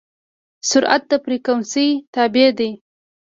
سرعت د فریکونسي تابع دی.